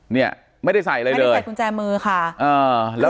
เนี้ยไม่ได้ใส่อะไรเลยไม่ได้ใส่กุญแจมือค่ะอ่า